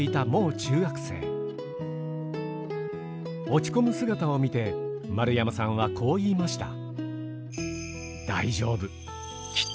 落ち込む姿を見て丸山さんはこう言いました。